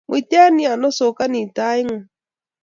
muiten yon osokoni tainng'ung